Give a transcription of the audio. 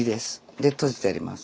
で綴じてあります。